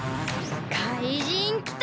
かいじんきた！